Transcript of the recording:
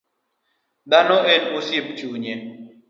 Dhano en osiep chunye.